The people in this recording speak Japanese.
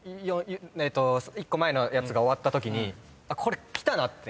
１個前のやつが終わったときにこれきたなって。